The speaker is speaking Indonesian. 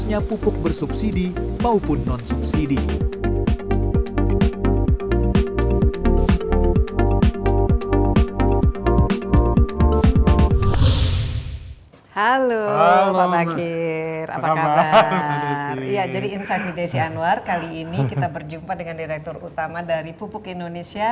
ya jadi insya allah desi anwar kali ini kita berjumpa dengan direktur utama dari pupuk indonesia